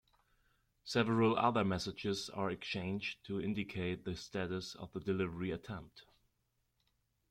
Several other messages are exchanged to indicate the status of the delivery attempt.